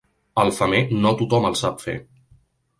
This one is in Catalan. El femer, no tothom el sap fer.